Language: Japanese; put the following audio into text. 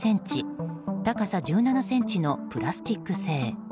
高さ１７ｃｍのプラスチック製。